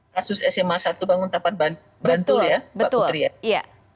kasus sma satu bangun tempat berantul ya mbak putri